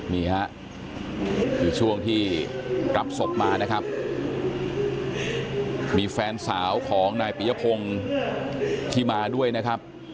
นี่ฮะคือช่วงที่รับศพมานะครับมีแฟนสาวของนายปียพงศ์ที่มาด้วยนะครับ